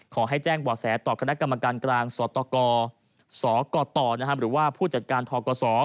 ขอให้แจ้งบ่อแสต่อคณะกรรมการกลางสตกสกตหรือว่าผู้จัดการทกศ